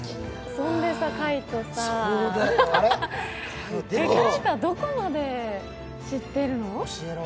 それで海音さ、海音はどこまで知ってるの？